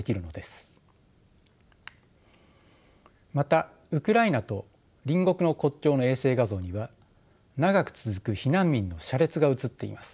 またウクライナと隣国の国境の衛星画像には長く続く避難民の車列が写っています。